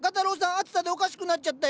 暑さでおかしくなっちゃったよ。